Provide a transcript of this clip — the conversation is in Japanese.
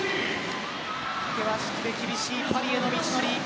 険しくて厳しいパリへの道のり。